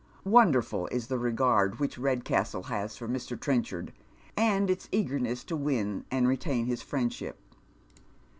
Wonderful is the regard which Redcastle has for Mr. Trenchard, and its eagerness to win and retain his friendship.